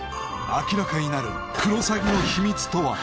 明らかになるクロサギの秘密とは？